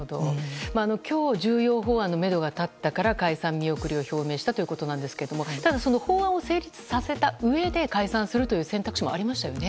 今日、重要法案のめどが立ったから解散見送りを表明したということなんですけどもただ、法案を成立させたうえで解散するという選択肢もありましたよね。